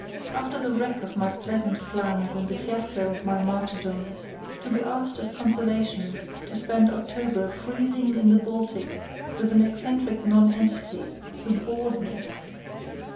After the wreck of my pleasant plans and the fiasco of my martyrdom, to be asked as consolation to spend October freezing in the Baltic with an eccentric nonentity who bored me!